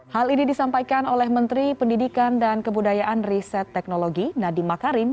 hal ini disampaikan oleh menteri pendidikan dan kebudayaan riset teknologi nadiem makarim